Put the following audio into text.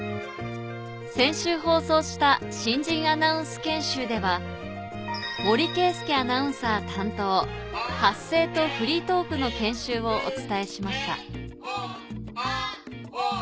先週放送した新人アナウンス研修では森圭介アナウンサー担当発声とフリートークの研修をお伝えしましたあお！